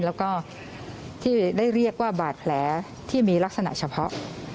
แล้วก็ที่ได้เรียกว่าบาดแผลที่มีลักษณะเฉพาะ